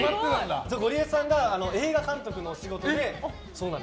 ゴリエさんが映画監督のお仕事で。